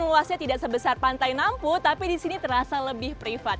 luasnya tidak sebesar pantai nampu tapi di sini terasa lebih privat